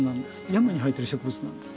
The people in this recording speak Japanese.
山に生えてる植物なんです。